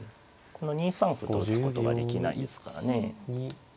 この２三歩と打つことができないですからね。